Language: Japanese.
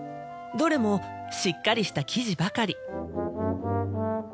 どれもしっかりした生地ばかり。